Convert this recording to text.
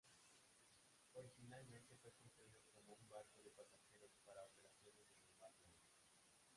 Originalmente fue construido como un barco de pasajeros para operaciones en el Mar Negro.